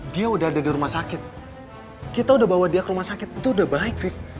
dia udah ada di rumah sakit kita udah bawa dia ke rumah sakit itu udah baik fit